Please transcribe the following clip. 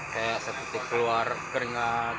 kayak sepetik keluar keringat